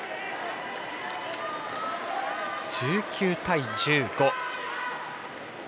１９対１５。